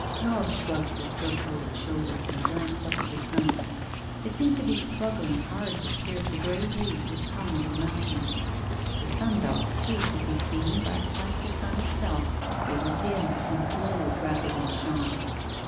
Robb shrugged his fur coated shoulders, and glanced up at the sun. It seemed to be struggling hard to pierce a grey haze which hung over the mountains. The sundogs, too, could be seen, but, like the sun itself, they were dim and glowed rather than shone.